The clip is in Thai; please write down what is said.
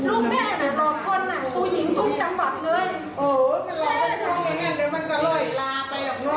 ไอ้แม่วายลูกสำชัยอีกสัก